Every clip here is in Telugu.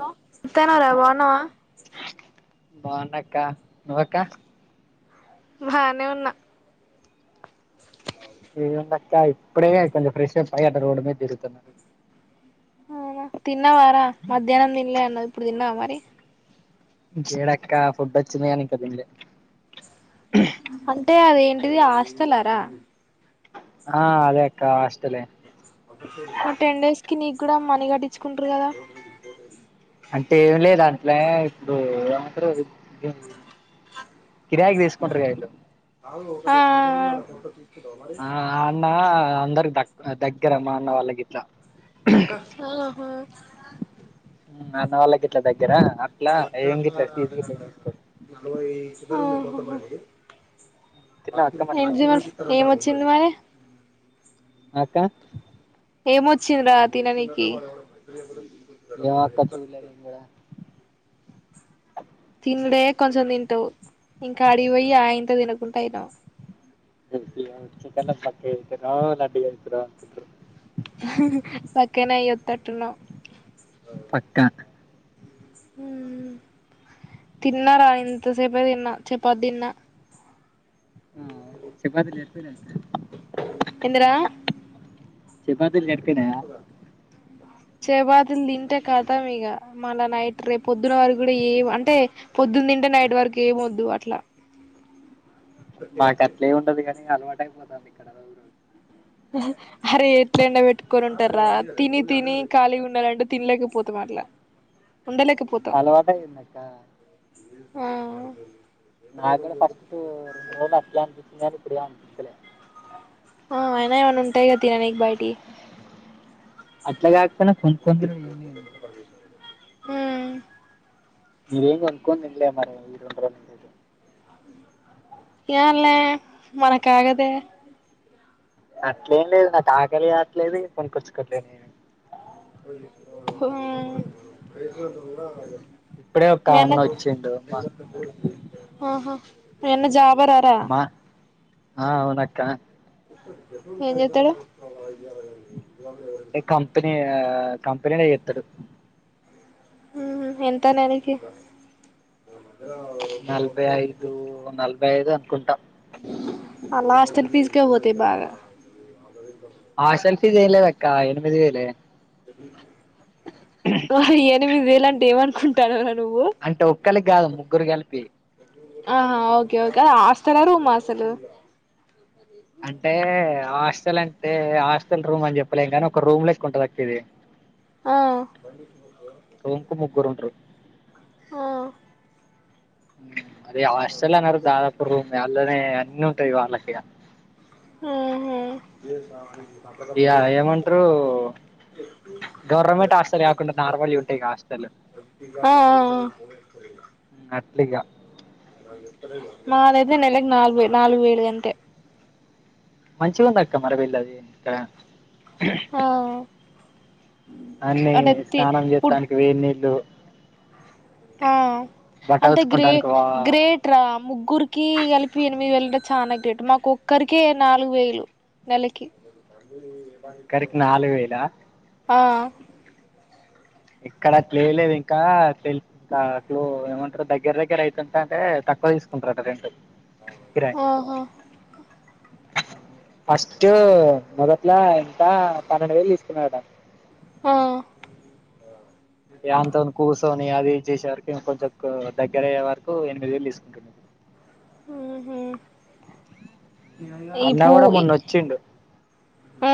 హలో [unintelligible] బాగున్నావా బాగున్న అక్క నువ్వుక్క బానే ఉన్నా ఏముందక్కా ఇప్పుడే కొంచెం ఫ్రెష్గా పై అట్లా రోడ్డు మీద తిరుగుతున్నా తిన్నవా రా మధ్యాహ్నం తినలే అన్నవ్ ఇప్పుడు తిన్నావ మరి ఎడక్క ఫుడ్ వచ్చింది కానీ ఇంకా తినలే అంటే అదేంటిది హాస్టల్ ఆరా ఆ అదే అక్క హాస్టల్ ఏ మరి టెన్ డేస్ కి నీకు కూడా మనీ కట్టించుకుంటరు కదా అంటే ఏం లేదు అట్లే ఇప్పుడు ఏమంటారు కిరాయికి మ్ తీసుకుంటారుగా వీళ్ళు ఆ ఆ ఆ నా అందరికి దగ్ దగ్గర మా అన్న వాళ్ళకు గిట్లా ఆహ మా అన్న వాళ్ళకు గిట్ల దగ్ అహ ఏం తీసుకోరు తిన్నావా అక్క మరి ఏ జ ఏమొచ్చింది మరే అక్క ఏమొచ్చిందరా తిననికి ఏమొ అక్క చూళ్ళే నీను కుడా తినుడే కొంచెం తింటావు ఇంకా అడిగిపోయి ఆ ఇంత తినకుంటా అయినావ్ [unintelligible] కన్నా బక్కగవుతున్నావ్ లడ్డుగైతున్నావ్ అనుకుంటారు బక్కగనే అయొత్తట్టున్నావ్ పక్కా మ్ తిన్నార ఇంత సేపె తిన్న చపాతి తిన్న ఆ చపాతీ చేయకపోయిన ఏందిరా [unintelligible] చపాతీలు సరిపోయినాయా చేపాతీలు తింటే కతం ఇగ మళ్ళా నైట్ రేపు పొద్దున్న వరకు కూడా ఎం అంటే పొద్దున్ తింటే నైట్ వరకేమొద్దు అట్లా మాకు అట్లెం ఉండదు కానీ అలువాటు అయిపోతంది ఇక్కడ రోజు రోజు అరే ఎట్ల ఎండా పెట్టుకొనుంటార్ర తిని తిని ఖాళీగా ఉండాలంటే తినలేకపోతాం అట్లా అ అలువాటయింది అక్క ఆ నాదగ్గర ఫస్ట్ట్ రెండు రోజలు అట్లే అనిపించింది ఇప్పుడు ఎం అనిపిస్తలే ఆ అయినా ఏమన్నా ఉంటాయిగ తిననికి బయటియి అట్లా కాకపోనా కొనుక్కొని తినుడే ఎం లేదు ఉమ్ నేనేం కొనుక్కొని తింట్లే మరి ఈ రెండు రోజుల నుంచైతే ఏన్లా మనకాగదె అట్లేం లేదు నాకు ఆకలి గాట్లేదు కొనికొచ్కోట్లేదు హ్మ్ ఇప్పుడే ఒక మ అన్న వచ్చిండు అమ్మా అహా ఎన్న జాబారారా అమ్మా ఆ అవునక్క ఏం చేత్తుడు ఏ కంపెనీ ఆ కంపెనీల చేత్తడు హ్మ్ హు ఎంత నెలకి నలభై ఐదు నలభై ఐదు అనుకుంటా అలాస్ట్ తెస్కక పోతే బగా ఆ సెల్ఫీ చేయలేదక్క ఎనిమిది వేలే హో ఎనిమిది వేలంటే ఏమనుకుంటానవ్ రా అంటే ఒక్కలికి కాదు ముగ్గురిక్ కలిపి ఆహా ఓకే ఓకే అ హాస్టల్ రూమా అసలు అంటే హాస్టల్ అంటే హాస్టల్ రూమ్ అని చెప్పలేం కాని ఒక రూమ్ లెక్ ఉంటుంది అక్క ఇది ఆ రూమ్ కు ముగ్గుర్ ఉంట్రు ఆ అదే హాస్టల్ అనరు దాదాపు రూమ్ అళ్ళనే అన్ని ఉంటయి వాళ్ళకి ఇగ ఉ హూ ఇగా ఏమంట్రు గవర్మెంట్ హాస్టల్ కాకుండ నార్మల్ ఉంటయి గా హాస్టలు అ ట్లిగా మా దైతే నెలకు నాలుగు నాలుగు వేలు గంతే మంచిగుందక్క అక్క మరి వీళ్ళది ఇక్కడ ఆ అన్ని అంటే తి స్నానం ఫుడ్ చేత్తానికి వేన్నీళ్ళు ఆ బట్టలు అంటే గ్రే ఉతుకుంటానికి వా గ్రేట్రా ముగ్గురికి కలిపి ఎనిమిది వేలంట్ చనా గ్రేట్ మాకు ఒక్కరికే నాలుగు వేలు నెలకి ఒక్కరికి నాలుగు వేలా అ ఇక్కడ తెలియలేదు ఇంకా తెలిసు ఇంకా అటు ఏమంటరు దగ్గర దగ్గర ఎంతుందంటే తెల్సుసుకుంటరట రెంటు అ హా ఫస్ట్ మొదట్లో ఇంత పన్నెండు వేలు తీసుకున్నరట ఆ ఏ అంతని కూసోని అ ఇగ వేట్ చేసేవరికె కొంచెం దగ్గ ఎక్కర అయ్య వరకు ఎనిమిది వేలు తీసుకుంటుండు ఉ హూ అన్న ఇపు కూడా మొన్న వచ్చిండు ఆ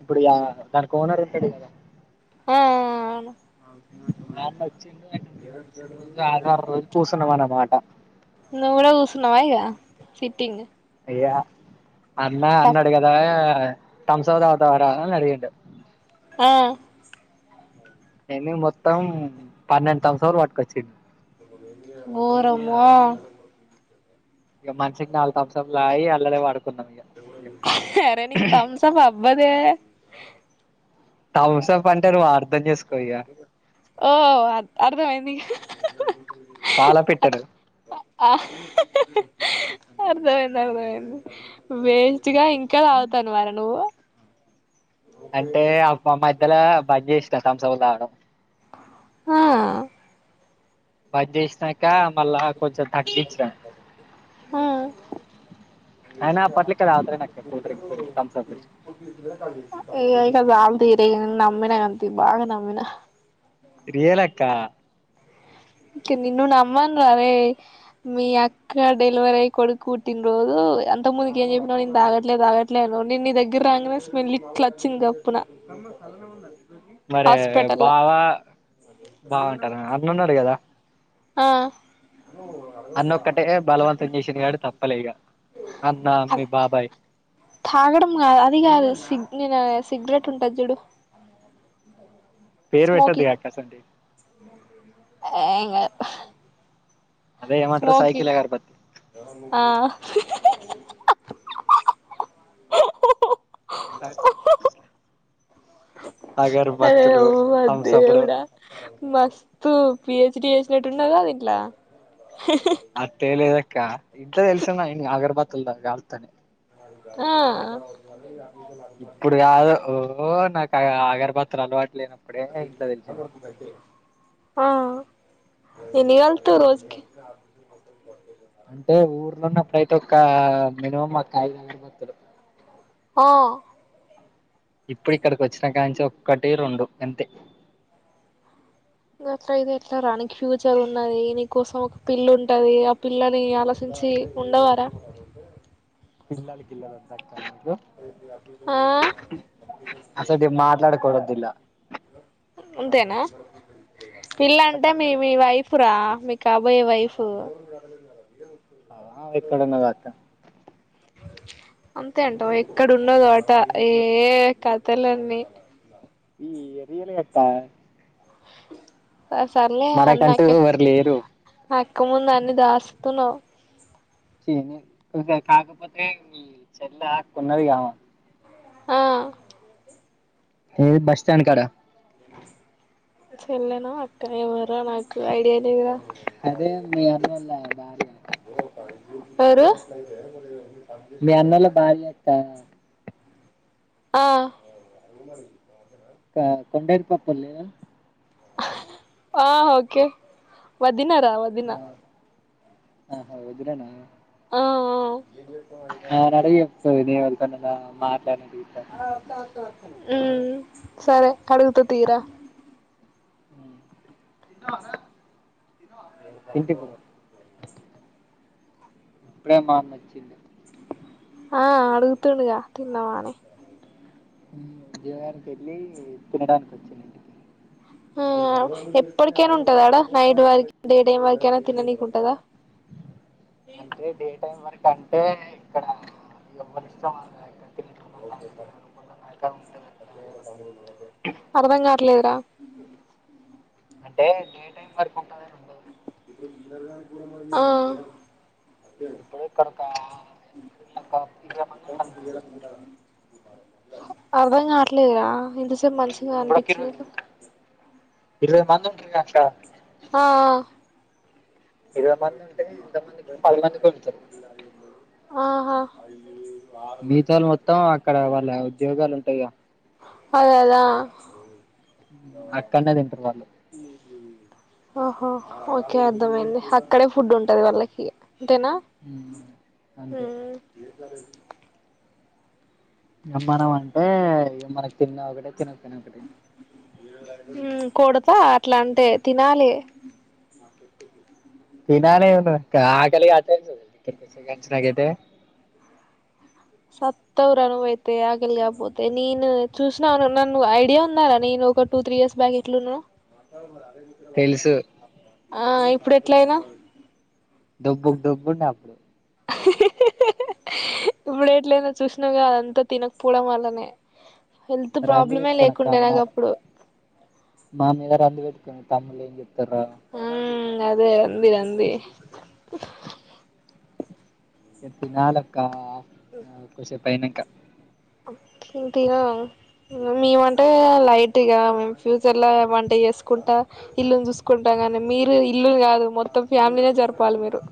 ఇప్పుడు ఆ దానికి ఓనర్ ఉంటడు కదా ఆ అవును ఆ అన్న వచ్చిండు మేము వచ్చిన రోజు ఆధార్ రోజు కూసున్నం అన్నమాట నువ్వు కూడా కూసున్నావా ఇగా సిట్టింగ్ ఏ అన్న అన్నాడుగదా తమ్సప్ తాగుతావరా అని అడిగిండు ఆ ఎన్ని మొత్తం పన్నెండు తమ్సప్ లు పట్టుకొచ్చిండు ఓరమ్మో ఇగ మనషికి నాల్గు తమ్సప్ లు తాగి అల్లరి పడు అరే నీకు తమ్సప్ అబ్బదే థమ్సప్ అంటే నువ్వు అర్థం చేసుకో ఇక ఓ అర్ధమైంది పాల పిట్టలు ఆ అర్థమైంది అర్థమైంది వేస్ట్ గా ఇంకా తాగుతాన్నావ రా నువ్వు అంటే అబ మధ్యలో బంద్ చేసిన తమ్సప్ లు తాగడం ఆ బంద్ చేసినాక మళ్ళా కొంచెం తగ్గించిన ఆ అయినా పొట్లిక్కి తాగుతదేమో అక్క కూల్డ్రింక్స్ తమ్సప్ లు ఈ ఇక బామ్ తీరి నమ్మిన ఆంటీ బాగా నమ్మిన ఇది వేళక్కా కి నిన్ను నమ్మను రా రే మీ అక్క డెలివరీ అయి కొడుకుపుట్టిన రోజు అంతక ముందుకు ఏం చెప్పినాడు ఇంత తాగట్లేదు తాగట్లేదు నేను నీ దగ్గర రాంగనే స్మెల్ ఇట్లచ్చింది గప్పున తమ్ సలనమున్నది మరి బావ బావుంటారు అన్నున్నాడు కదా ఆ అన్నొక్కటే బలవంతం చేసిండు గానీ తప్పలే ఇగ అన్న మీ అది బాబాయ్ తాగడం ఆ అది కాదు సిగ్ నేను సిగరెట్ ఉంటది చూడు పేరు పెట్టద్దుకా అసువంటివి ఆ ఎంకాదు అదే ఏమంటరు సైకిల్ అగరబత్తి ఆ అట్లా అయ్యయ్యో థమ్సప్లు దేవుడా మస్తు పి. హెచ్. డి చేసినట్టు ఉన్నకాదు ఇట్లా అట్లే ఎంలేదక్కా ఇంట్లో తెలిసిన ఆగర్బతులతో కాలుత్తా అని ఆ ఇప్పుడు కాదు ఓ నాకు అగర్బత్తులు అలవాటు లేనప్పుడే ఇంట్లో తెలిసింది ఆ ఎన్ని కాలుత్తావ్ రోజుకి అంటే ఊర్లో ఉన్నప్పుడు అయితే ఒక మినిమం ఒక ఐదు అగరబత్తులు ఆ ఇప్పుడు ఇక్కడికి వచ్చికాడ నుంచి ఒక్కటి రెండు అంతే గిట్లైయితే ఎట్లరా నీకి ఫ్యూచర్ ఉన్నది నీ కోసం ఒక పిల్లుంటది ఆ పిల్లని అలసి సి ఉండవరా పిల్లలు గిల్లా వద్దక్క ఆ అసంటివి మాట్లాడుకోవద్దిల్లా అంతేనా పిల్ళంటే మీ మీ వైఫ్ రా మీ కాబోయే వైఫ్ అ ఎక్కడున్నది అక్కా అంతేంటవా ఎక్కడ ఉన్నదోట ఏ కథలన్నీ ఈ రియల్గక్క సర్ సర్లే అన్న అక్క ఎవరు లేరు అక్క ముందు అన్ని దాస్తున్నావ్ కాకపోతే ఈ చెల్ల అక్క ఉన్నదిగామా ఆ ఏ బస్ స్టాన్ కడా చెళ్లానో అక్కనో ఏమోర నాకు ఐడియా లేదురా అదే మీ అరల [unintelligible] ఎవరు మీ అన్నోళ్ల భార్య అక్కా ఆ గా కొండయరిపప్పలేద ఆ ఓకే వదినర వదిన ఆ ఆహా వదిననా ఆఆ ఆమనడుగు చెప్తది నీ ఎవల్తోనాన్న మాట్లాడ హ్మ్ సరే కడుగుత తీరా తింటిప్పు ఇప్పుడే మామచ్చిండు ఆ అడుగుతుండుగా తిన్నవా అని హ్మ్ ఉద్యోగానికి ఎళ్ళి తినడానికి వచ్చిండు ఇంటికి ఆ ఎప్పడికైనా ఉంటదాడా నైట్ వరకి డే డే వరకైనా తిననికి ఉంటదా కంటే ఇక్కడ ఎవ్వరిష్టం వాళ్లదే అక్క అట్లా ఇక్కడ అర్ధం కావట్లేదు రా అంటే డే టైం వరకు ఉంటదను ఆ ఇప్పుడు ఇక్కడికా [unintelligible] అర్థం కావట్లేదురా సెప్ మంచిగా ఇప్పుడు ఒక ఇరవై అనిపించిందిప్పుడు ఇరవై మంది ఉంటారు అక్క ఆ ఆ ఆ ఇరవై మంది ఉంటే ఎంత మందికి పది మందికి వండుతారు ఆహా మిగతాల్ మొత్తం అక్కడ వాళ్ళ ఉద్యోగాలు ఉంటైగా అదదె ఆ అక్కనేే తింటారు వాళ్ళు ఆహా ఓకే అర్ధమైంది అక్కడే ఫుడ్ ఉంటది వాళ్ళకి అంతేనా అంతే ఏ మనం అంటే ఇగ మనకి తిన్న ఒకటే తిన హ్మ్ కొడతా అట్లాంటే తినాలే తినలే ఏమున్నదక్కా ఆకగాట్లేదు ఇక్కడికచ్చిన కాంచి నాకయితే సత్తవుర నువయితే ఆగలిగాకపోతే నేను చూసినవారా నన్ను ఐడియా ఉందారా నేను ఒక టు త్రీ ఇయర్స్ బ్యాక్ ఎట్లున్ననో తెలుసు ఆ ఇప్పుడెట్లయినా డబ్బుకు డబ్బు ఉండెఅప్పుడు ఇప్పుడు ఎట్లయినా చూసినవుగా అదంతా తినకపోవడం వల్లనే హెల్త్ రంది ప్రాబ్లమే లేకుండే నాకు అప్పుడు మామిద రంధి వేట్టుకు తమ్ముళ్ ఏం చెప్తన్రా మ్మ్ అదే ఉంది ఉంది తినాలక్క కొసెపైనకా తింటివా మేమంటే లైట్గా మేం ఫ్యూచర్లో వంట చేసుకుంటా ఇల్లును చూసుకుంటా మీరు ఇల్లులు కాదు మొత్తం ఫ్యామిలీనే జరపాలి మీరు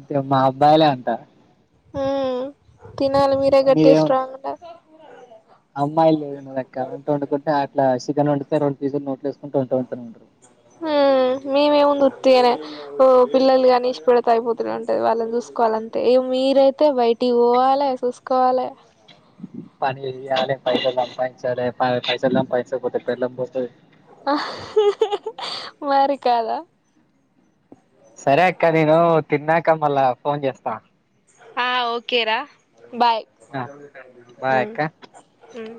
ఇక మా అబ్బాయిలే అంతా ఉమ్ ఆ తినాలి మీరే మీదేం గట్టిస్త్రాంగ్ ఉండాలి అమ్మాయిలు లేదు అక్క వంట వండుకుంటే అట్లా సికెన్ వండితే అట్లా రెండు పీసులు నోట్లో ఎస్ కొంటు ఉంటారు ఉట్టిగానే పిల్లలు గాని ఇష్టపడతా అయిపోతు ఉంటది వాళ్ళని చూసుకోవాలంతే మీరైతే బయటి ఇది పోవాలి చూసుకోవాలి పని చెయ్యాలె పైసలు సంపాయించాలే పైసలు సంపాయికుంటే పెళ్ళాం కొడతాది ఆ మరి కాదా సరే అక్క నేను తిన్నాక మళ్ళా ఫోన్ చేస్తా ఆ ఓకేరా బాయ్ బాయ్ హ్మ్ అక్క ఉమ్